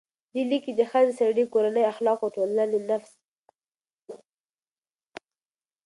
دې لیک کې د ښځې، سړي، کورنۍ، اخلاقو، ټولنې، نفس،